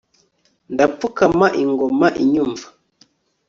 ndapfukama ingoma inyumva